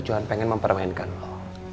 johan pengen mempermainkan lo